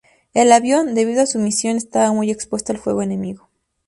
El avión, debido a su misión estaba muy expuesto al fuego enemigo.